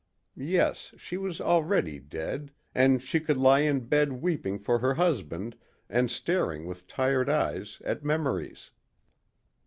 Yes, she was already dead and she could lie in bed weeping for her husband and staring with tired eyes at memories.